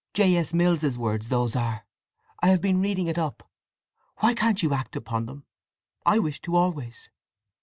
J. S. Mill's words, those are. I have been reading it up. Why can't you act upon them? I wish to, always."